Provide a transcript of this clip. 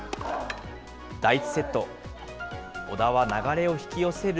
第１セット、小田は流れを引き寄せる